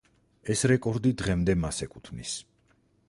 ეს რეკორდი დღემდე მას ეკუთვნის.